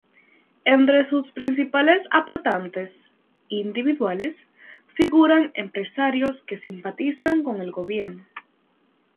Entre sus principales aportantes "individuales" figuran empresarios que simpatizan con el Gobierno.